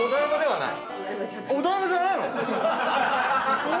はい！